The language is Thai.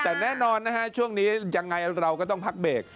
แต่แน่นอนนะฮะช่วงนี้ยังไงเราก็ต้องพักเบรก